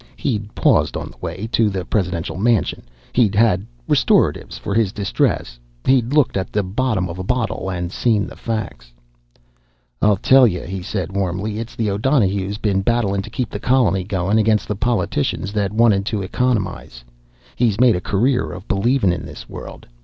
He'd paused on the way to the presidential mansion. He'd had restoratives for his distress. He'd looked at the bottom of a bottle and seen the facts. "I'll tell yea," he said warmly. "It's the O'Donohue's been battlin' to keep the colony goin' against the politicians that wanted to economize. He's made a career of believin' in this world.